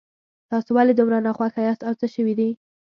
تاسو ولې دومره ناخوښه یاست او څه شوي دي